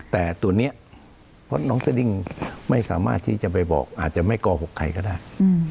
แต่ตัวนี้เพราะน้องสดิ้งไม่สามารถที่จะไปบอกอาจจะไม่โกหกใครก็ได้